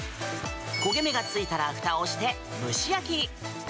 焦げ目がついたらふたをして蒸し焼きに。